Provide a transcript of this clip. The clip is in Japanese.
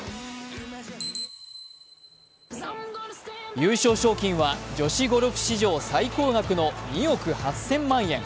優勝賞金は女子ゴルフ史上最高額の２億８０００万円。